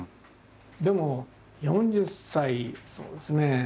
でも４０歳そうですね。